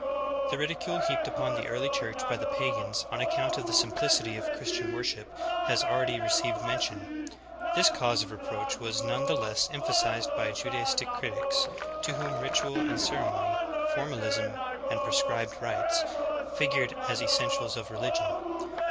2. The ridicule heaped upon the early Church by the pagans on account of the simplicity of Christian worship has already received mention. This cause of reproach was none the less emphasized by Judaistic critics, to whom ritual and ceremony, formalism and prescribed rites, figured as essentials of religion.